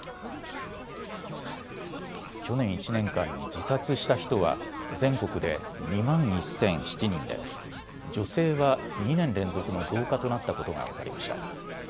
去年１年間に自殺した人は全国で２万１００７人で女性は２年連続の増加となったことが分かりました。